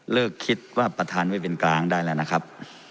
คิดว่าประธานไม่เป็นกลางได้แล้วนะครับ